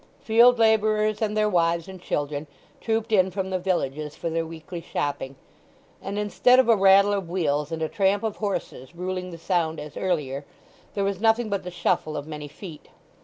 Field labourers and their wives and children trooped in from the villages for their weekly shopping, and instead of a rattle of wheels and a tramp of horses ruling the sound as earlier, there was nothing but the shuffle of many feet.